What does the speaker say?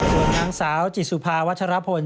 ส่วนนางสาวจิตสุภาวัชรพล